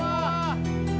makan tepe bacem